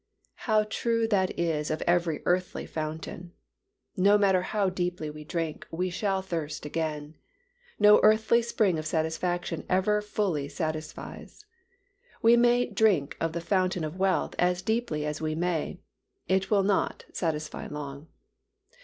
How true that is of every earthly fountain. No matter how deeply we drink we shall thirst again. No earthly spring of satisfaction ever fully satisfies. We may drink of the fountain of wealth as deeply as we may, it will not satisfy long.